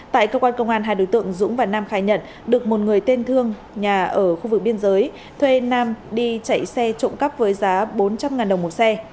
tại cơ quan công an hai đối tượng dũng và nam khai nhận được một người tên thương nhà ở khu vực biên giới thuê nam đi chạy xe trộm cắp với giá bốn trăm linh đồng một xe